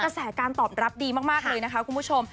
แสการตอบรับดีมากเลยนะคะคุณผู้ชม